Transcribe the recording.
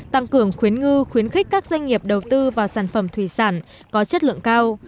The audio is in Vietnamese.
tăng cường khuyến ngư khuyến khích các doanh nghiệp đầu tư vào sản phẩm thủy sản có chất lượng cao